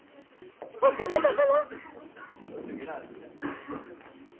奥方様。